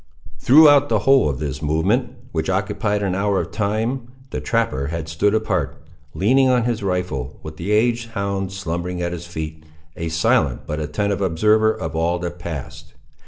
Throughout the whole of this movement, which occupied an hour of time, the trapper had stood apart, leaning on his rifle, with the aged hound slumbering at his feet, a silent but attentive observer of all that passed.